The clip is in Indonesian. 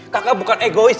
kakak bukan egois